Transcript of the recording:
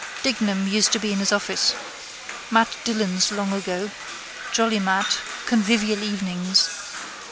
Dignam used to be in his office. Mat Dillon's long ago. Jolly Mat. Convivial evenings.